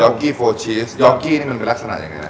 ยอกกี้โฟร์ชีสยอกกี้มันเป็นลักษณะยังไง